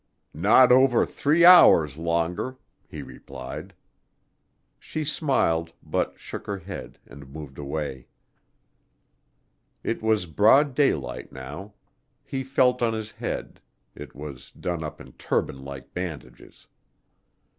"Not over three hours longer," he replied. She smiled, but shook her head and moved away. It was broad daylight now. He felt of his head it was done up in turban like bandages.